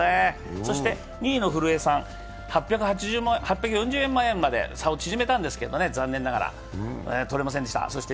そして２位の古江さん、８４０万円まで差を縮めたんですけれども、残念ながら、取れませんでした。